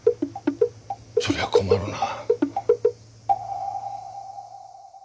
そりゃ困るな。